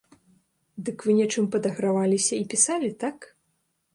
Дык вы нечым падаграваліся і пісалі, так?